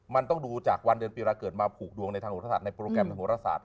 มันต้องดูจากวันเดือนปีเวลาเกิดมาผูกดวงในโรคราศาสตร์วันโรคราศาสตร์